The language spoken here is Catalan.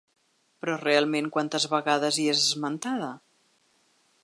Però, realment, quantes vegades hi és esmentada?